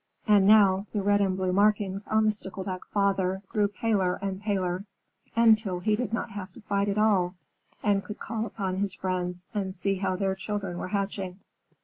And now the red and blue markings on the Stickleback Father grew paler and paler, until he did not have to fight at all, and could call upon his friends and see how their children were hatching.